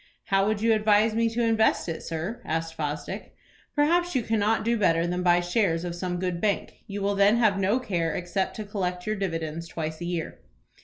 "How would you advise me to invest it, sir?" asked Fosdick. "Perhaps you cannot do better than buy shares of some good bank. You will then have no care except to collect your dividends twice a year."